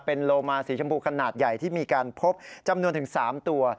เป็นโลมาสีชมพูขนาดใหญ่ที่มีการพบจำนวนถึง๓ตัว